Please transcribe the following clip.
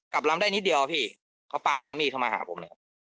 กับรำได้นิดเดียวพี่เขาปลามีดเข้ามาหาผม